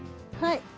はい。